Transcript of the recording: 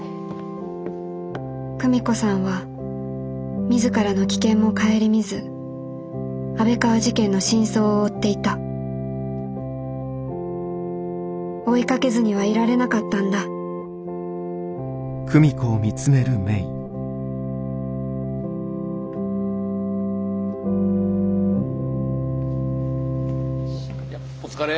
久美子さんは自らの危険も顧みず安倍川事件の真相を追っていた追いかけずにはいられなかったんだお疲れ。